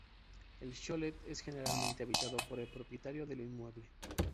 El "cholet" es generalmente habitado por el propietario del inmueble.